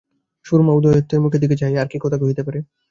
সুরমা উদয়াদিত্যের মুখের দিকে চাহিয়া আর কি কথা কহিতে পারে?